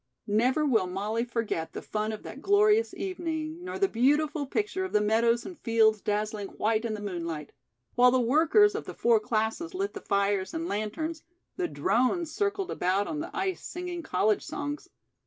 Never will Molly forget the fun of that glorious evening, nor the beautiful picture of the meadows and fields dazzling white in the moonlight. While the "workers" of the four classes lit the fires and lanterns, the "drones" circled about on the ice singing college songs.